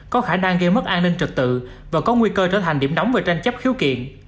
có khả năng gây mất an ninh trật tự và có nguy cơ trở thành điểm nóng về tranh chấp khiếu kiện